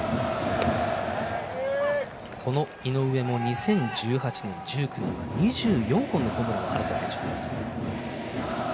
この井上も２０１８年、１９年は２４本のホームランを放った選手です。